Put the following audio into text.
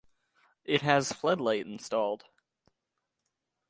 It has floodlight installed.